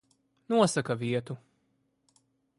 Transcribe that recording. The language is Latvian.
Nosaka vietu.